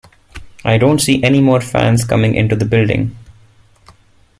I don't see any more fans coming into the building.